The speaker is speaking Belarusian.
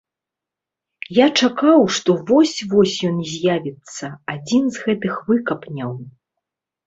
Я чакаў, што вось-вось ён з'явіцца, адзін з гэтых выкапняў.